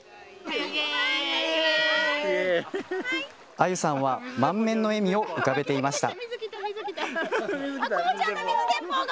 亜佑さんは、満面の笑みを浮かべていました。